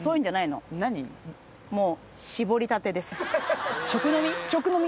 もう。